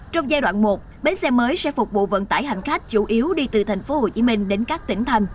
trong giai đoạn một bến xe mới sẽ phục vụ vận tải hành khách chủ yếu đi từ tp hcm đến các tỉnh thành